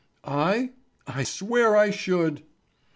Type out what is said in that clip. "I? I swear I should."